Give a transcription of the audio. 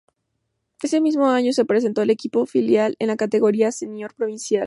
En ese mismo año, se presentó al equipo filial en la categoría senior provincial.